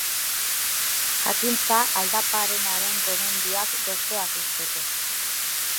Jakintza aldaparenaren gomendioak gozoak uzteko.